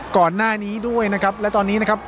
ก่อนหน้านี้ด้วยนะครับและตอนนี้นะครับ